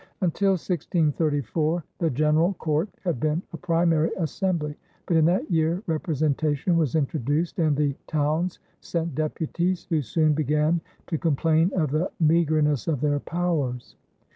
Until 1634, the general court had been a primary assembly, but in that year representation was introduced and the towns sent deputies, who soon began to complain of the meagerness of their powers.